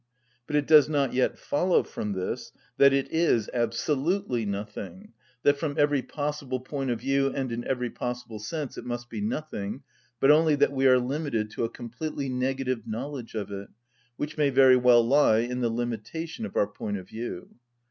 But it does not yet follow from this that it is absolutely nothing, that from every possible point of view and in every possible sense it must be nothing, but only that we are limited to a completely negative knowledge of it, which may very well lie in the limitation of our point of view.